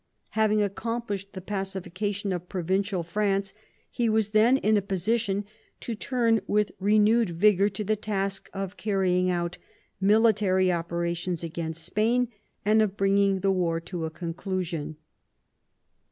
Having accomplished the pacification of Provincial France, he was then in a position to turn with renewed vigour to the task of carrying out military operations against Spain and of bringing the war to a conclusion.